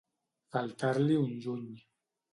Faltar-li un juny.